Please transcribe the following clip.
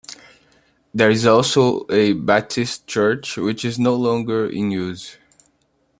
There is also a Baptist church which is no longer in use.